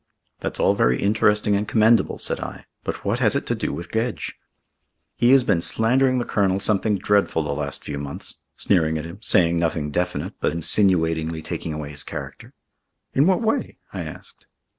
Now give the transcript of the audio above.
"That's all very interesting and commendable," said I, "but what has it to do with Gedge?" "He has been slandering the Colonel something dreadful the last few months, sneering at him, saying nothing definite, but insinuatingly taking away his character." "In what way?" I asked.